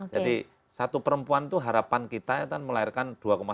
jadi satu perempuan itu harapan kita itu kan melahirkan dua satu